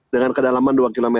dengan kedalaman dua km